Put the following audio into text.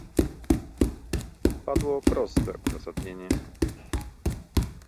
Padło proste uzasadnienie